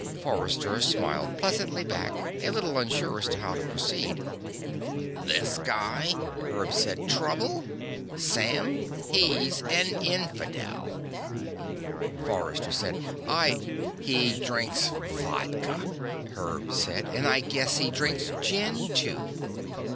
Forrester smiled pleasantly back, a little unsure as to how to proceed. "This guy?" Herb said. "Trouble? Sam, he's an infidel!" Forrester said: "I " "He drinks vodka," Herb said. "And I guess he drinks gin too."